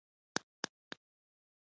سړک باید د بار وړونکو وسایطو لپاره قوي وي.